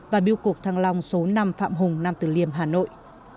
và biêu cục thăng long số năm phạm hùng nam tử liêm hà nội